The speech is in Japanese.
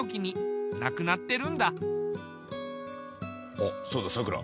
あっそうださくら。